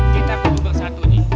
kita kudung lawan satu ji